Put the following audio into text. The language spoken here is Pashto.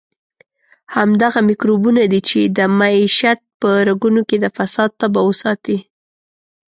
همدغه میکروبونه دي چې د معیشت په رګونو کې د فساد تبه وساتي.